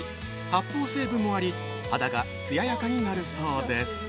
発泡成分もあり肌がつややかになるそうです。